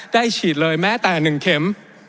ได้ฉีดเลยแม้แต่๑เข็ม